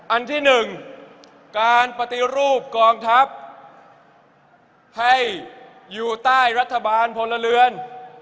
อันที่๑การปฏิรูปกองทัพให้อยู่ใต้รัฐบาลพลเรือน